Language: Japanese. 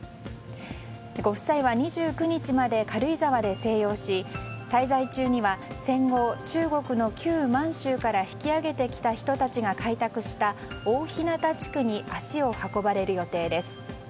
ご夫妻は２９日まで軽井沢で静養し滞在中には戦後、中国の旧満州から引き揚げてきた人たちが開拓した大日向地区に足を運ばれる予定です。